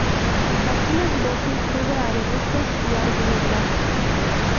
Algunas veces sube a arbustos y árboles bajos.